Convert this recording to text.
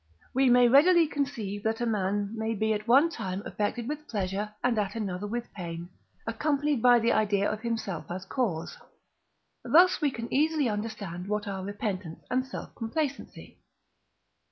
we may readily conceive that a man may be at one time affected with pleasure, and at another with pain, accompanied by the idea of himself as cause. Thus we can easily understand what are Repentance and Self complacency.